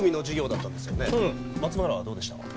松原はどうでした？